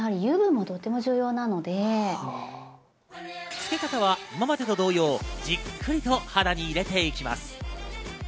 つけ方は今までと同様、じっくりと肌に入れていきます。